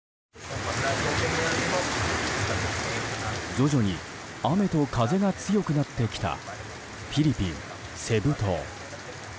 徐々に雨と風が強くなってきたフィリピン・セブ島。